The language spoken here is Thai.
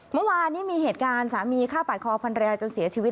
เมื่อวานนี้มีเหตุการณ์สามีฆ่าปาดคอพันรยาจนเสียชีวิต